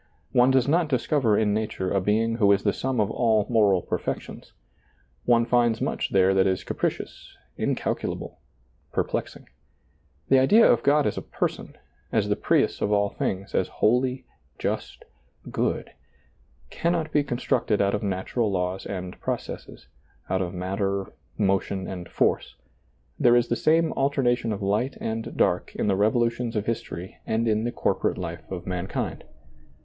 One does not discover in nature a Being who is the sum of all moral perfections. One finds much there that is capricious, incalculable, perplexing. The idea of God as a person, as the prius of all things, as ^lailizccbvGoOgle 84 SEEING DARKLY holy, just, good — cannot be constructed out of natural laws and processes^ out of matter, motion and force. There is the same alternation of light and dark in the revolutions of history and in the corporate life of mankind.